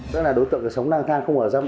chắc là đối tượng cái sống năng than không ở giam